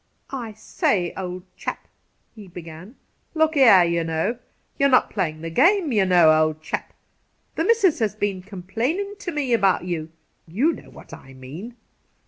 'I say, old chap,' he began, 'look here, ye know ! You're not playin' the game, ye know, old chap ! The missis has been complainin' to me about you. You know what I mean.'